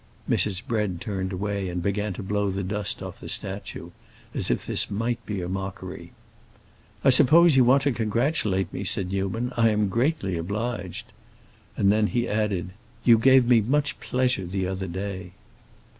Mrs. Bread turned away and began to blow the dust off the statue, as if this might be mockery. "I suppose you want to congratulate me," said Newman. "I am greatly obliged." And then he added, "You gave me much pleasure the other day."